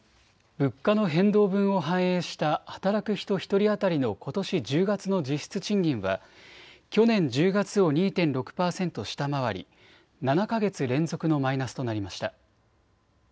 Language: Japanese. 物価の変動分を反映した働く人１人当たりのことし１０月の実質賃金は去年１０月を２．６％下回り７か月連続のマイナスとなりました。